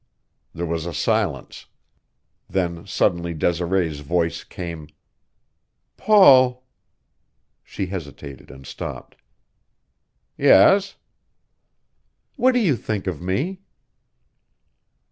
There was a silence; then suddenly Desiree's voice came: "Paul " She hesitated and stopped. "Yes." "What do you think of me?"